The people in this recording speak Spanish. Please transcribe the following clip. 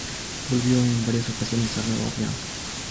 Volvió en varias ocasiones a Nueva Orleans.